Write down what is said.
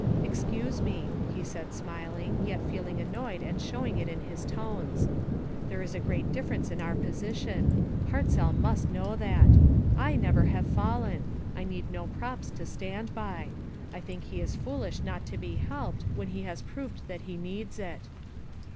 "Excuse me," he said, smiling, yet feeling annoyed and showing it in his tones. " There PLEDGES. 417 is a great difference in our position ; Hart zell must know that. I never have fallen. I need no props to stand by. I think he is foolish not to be helped, when he has proved that he needs it."